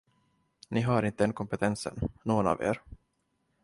Ni har inte den kompetensen, någon av er.